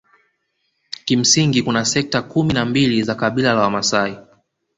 Kimsingi kuna sekta kumi na mbili za kabila la Wamasai